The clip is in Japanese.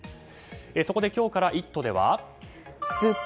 そこで今日から「イット！」では。